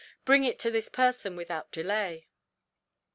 Bring it to this person without delay."